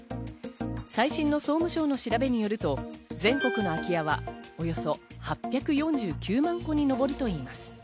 最新の総務省の調べによると全国の空き家は、およそ８４９万戸に上るといいます。